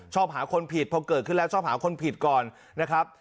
ชอบหาคนผิดพอเกิดขึ้นแล้วชอบหาคนผิดก่อนนะครับ